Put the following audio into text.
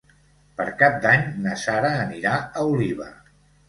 Per Cap d'Any na Sara anirà a Oliva.